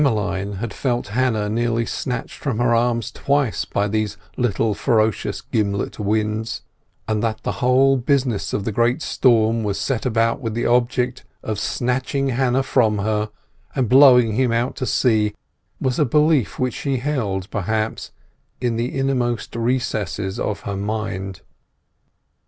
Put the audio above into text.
Emmeline had felt Hannah nearly snatched from her arms twice by these little ferocious gimlet winds; and that the whole business of the great storm was set about with the object of snatching Hannah from her, and blowing him out to sea, was a belief which she held, perhaps, in the innermost recesses of her mind.